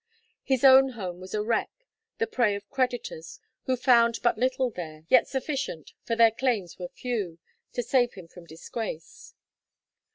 His own home was a wreck, the prey of creditors, who found but little there, yet sufficient, for their claims were few, to save him from disgrace.